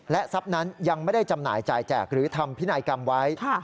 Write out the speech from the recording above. ทรัพย์นั้นยังไม่ได้จำหน่ายจ่ายแจกหรือทำพินัยกรรมไว้